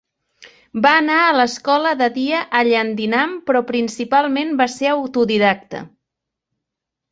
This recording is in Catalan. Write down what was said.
Va anar a l'escola de dia a Llandinam, però principalment va ser autodidacta.